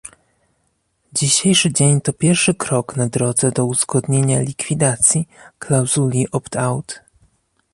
Dzisiejszy dzień to pierwszy krok na drodze do uzgodnienia likwidacji klauzuli opt-out